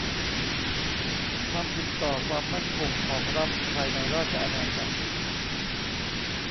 ความผิดต่อความมั่นคงของรัฐภายในราชอาณาจักร